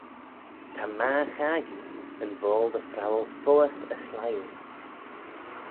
Ta magher-chaggee, yn boayl dy phrowal foays yn chliwe.